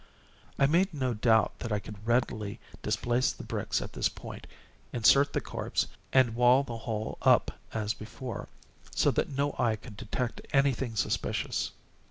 I made no doubt that I could readily displace the bricks at this point, insert the corpse, and wall the whole up as before, so that no eye could detect any thing suspicious.